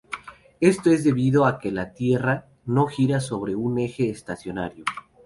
Esto es debido a que la Tierra no gira sobre un eje estacionario.